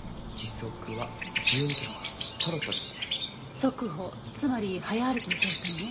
速歩つまり早歩きで通ったのね。